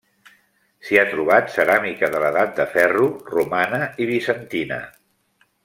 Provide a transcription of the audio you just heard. S'hi ha trobat ceràmica de l'Edat de Ferro, romana i bizantina.